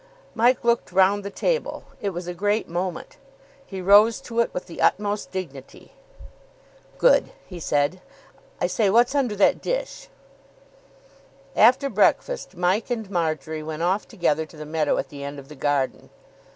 Mike looked round the table. It was a great moment. He rose to it with the utmost dignity. "Good," he said. "I say, what's under that dish?" After breakfast, Mike and Marjory went off together to the meadow at the end of the garden.